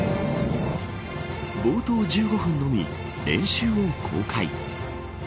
冒頭１５分のみ練習を公開。